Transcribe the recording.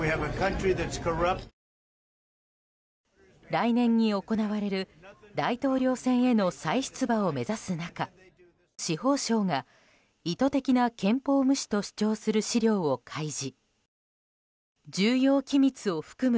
来年に行われる大統領選への再出馬を目指す中司法省が、意図的な憲法無視と主張する資料を開示。